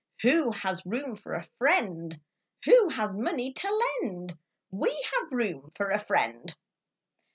Who has room for a friend Who has money to lend? We have room for a friend!